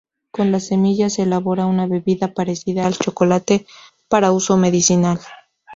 Con las semillas se elabora una bebida parecida al chocolate para uso medicinal.